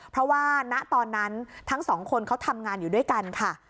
เพราะว่าณตอนนั้นทั้งสองคนเขาทำงานอยู่ด้วยกันค่ะ